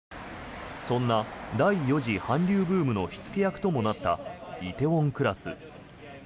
そんな第４次韓流ブームの火付け役ともなった「梨泰院クラス」。